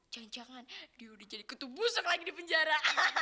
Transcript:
jangan jangan dia udah jadi kutub busuk lagi di penjara